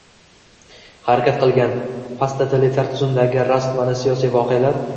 harakat qilgan, posttotalitar tuzumdagi rostmana siyosiy voqealar